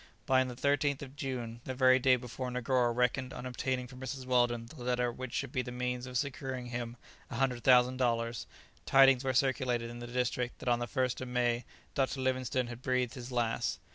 But on the 13th of June, the very day before Negoro reckoned on obtaining from Mrs. Weldon the letter which should be the means of securing him a hundred thousand dollars, tidings were circulated in the district that on the 1st of May Dr. Livingstone had breathed his last.